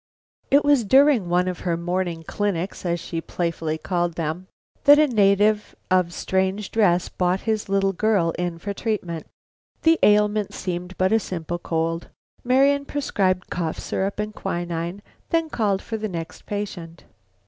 It was during one of her morning "clinics," as she playfully called them, that a native of strange dress brought his little girl to her for treatment. The ailment seemed but a simple cold. Marian prescribed cough syrup and quinine, then called for the next patient.